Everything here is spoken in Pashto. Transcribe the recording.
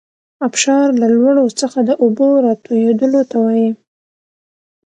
ابشار له لوړو څخه د اوبو راتویدلو ته وايي.